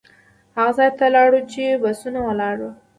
هغه ځای ته لاړو چې بسونه ولاړ وو.